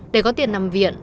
để có tiền nằm viện